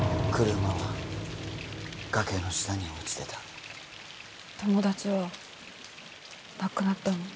車は崖の下に落ちてた友達は亡くなったの？